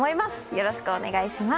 よろしくお願いします。